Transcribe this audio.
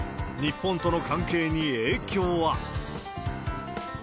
日本との関係に影響は。